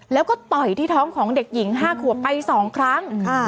แล้วก็ต่อยที่ท้องของเด็กหญิง๕ขวบไป๒ครั้ง